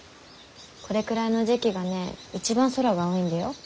これくらいの時期がね一番空が青いんだよ。